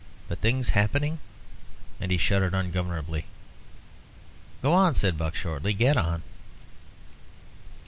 But things happening!" and he shuddered ungovernably. "Go on," said Buck, shortly. "Get on."